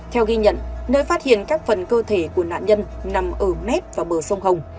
theo ghi nhận nơi phát hiện các phần cơ thể của nạn nhân nằm ở mép và bờ sông hồng